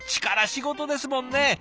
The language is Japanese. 力仕事ですもんね。